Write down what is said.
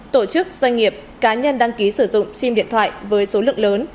tổ chức doanh nghiệp cá nhân đăng ký sử dụng sim điện thoại với số lượng lớn